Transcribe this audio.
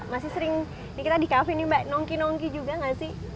masih sering nih kita di cafe nih mbak nongki nongki juga gak sih